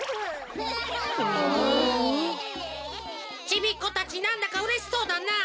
ちびっこたちなんだかうれしそうだなあ。